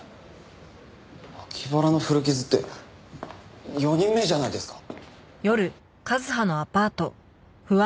脇腹の古傷って４人目じゃないですか。